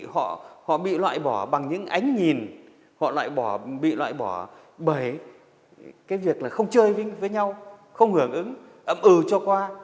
họ bị loại bỏ bằng những ánh nhìn họ bị loại bỏ bởi việc không chơi với nhau không hưởng ứng ấm ưu cho qua